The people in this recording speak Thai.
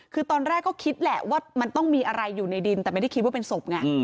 คือตอนแรกก็คิดแหละว่ามันต้องมีอะไรอยู่ในดินแต่ไม่ได้คิดว่าเป็นศพไง